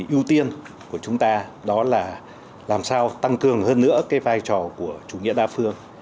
yêu tiên của chúng ta là làm sao tăng cường hơn nữa vai trò của chủ nghĩa đa phương